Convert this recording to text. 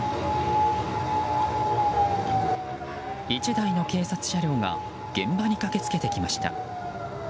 １台の警察車両が現場に駆け付けてきました。